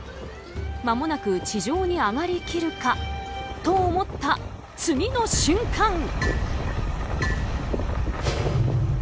間もなく地上に揚がりきるかと思った次の瞬間。